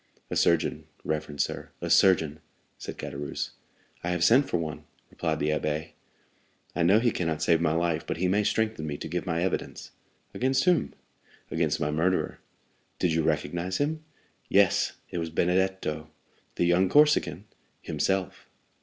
"A surgeon, reverend sir—a surgeon!" said Caderousse. "I have sent for one," replied the abbé. "I know he cannot save my life, but he may strengthen me to give my evidence." "Against whom?" "Against my murderer." "Did you recognize him?" "Yes; it was Benedetto." "The young Corsican?" "Himself."